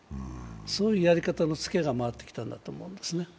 そういうやり方のツケが回ってきたんだと思いますね。